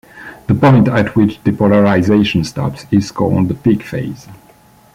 The point at which depolarization stops is called the peak phase.